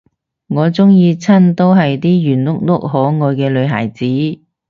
我鍾意親都係啲圓碌碌可愛嘅女孩子